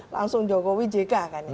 langsung jokowi jegah